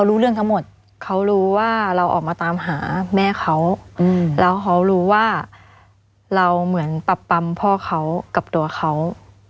เค้ารู้ว่าเราออกมาตามหาแม่เค้าแล้วเค้ารู้ว่าเราเหมือนปับปัมพ่อเค้ากับตัวเค้า